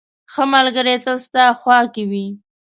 • ښه ملګری تل ستا خوا کې وي.